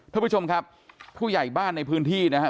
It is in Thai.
ท่านผู้ชมครับผู้ใหญ่บ้านในพื้นที่นะครับ